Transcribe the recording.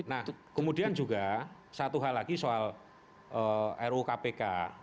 nah kemudian juga satu hal lagi soal ru kpk